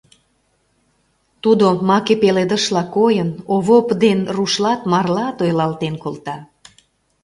Тудо, маке пеледышла койын, Овоп ден рушлат, марлат ойлалтен колта.